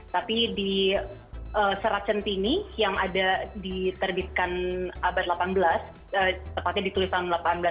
tapi di serat centini yang ada diterbitkan abad delapan belas tepatnya ditulis tahun delapan belas lima belas